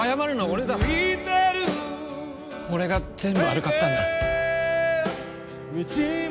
俺が全部悪かったんだ。